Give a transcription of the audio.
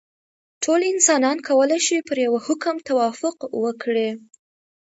ټول انسانان کولای شي پر یوه حکم توافق وکړي.